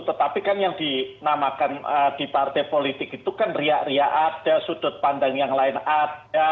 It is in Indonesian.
tetapi kan yang dinamakan di partai politik itu kan riak riak ada sudut pandang yang lain ada